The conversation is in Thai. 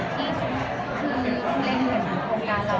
ที่คุณเล่นเห็นของโครงการเรา